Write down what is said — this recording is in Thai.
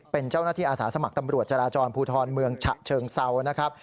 เป็นเจ้าหน้าที่อาสาสมัครตำรวจจราจรภูทรเมืองฉะเชิงเซานะครับ